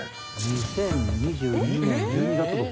２０２２年１２月号。